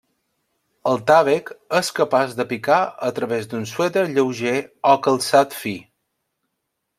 El tàvec és capaç de picar a través d'un suèter lleuger o calçat fi.